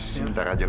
sebentar aja kok